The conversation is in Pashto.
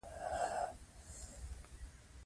نوموړي وايي چې سلطنت به رایې ته پرېږدي.